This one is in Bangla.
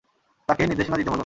তাকে নির্দেশনা দিতে বলো।